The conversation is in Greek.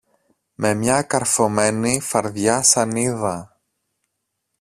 με μια καρφωμένη φαρδιά σανίδα.